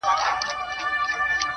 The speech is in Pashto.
اوښکي دي پر مځکه درته ناڅي ولي~